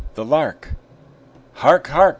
THE LARK Hark! hark!